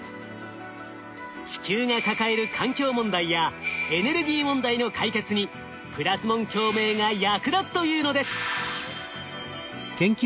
地球が抱える環境問題やエネルギー問題の解決にプラズモン共鳴が役立つというのです。